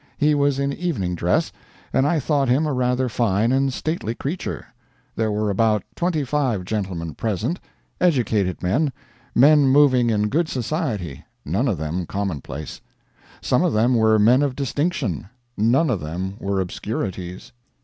He was in evening dress, and I thought him a rather fine and stately creature. There were about twenty five gentlemen present; educated men, men moving in good society, none of them commonplace; some of them were men of distinction, none of them were obscurities.